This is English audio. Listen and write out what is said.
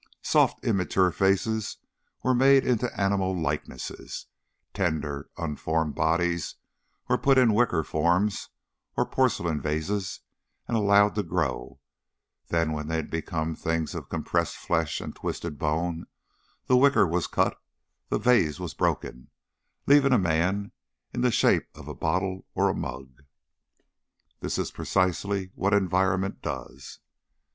Soft, immature faces were made into animal likenesses; tender, unformed bodies were put into wicker forms or porcelain vases and allowed to grow; then when they had become things of compressed flesh and twisted bone, the wicker was cut, the vase was broken, leaving a man in the shape of a bottle or a mug. That is precisely what environment does.